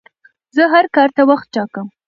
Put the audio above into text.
زه هر کار ته وخت ټاکم.